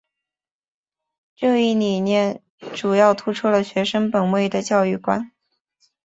这一理念主要突出了学生本位的教育观。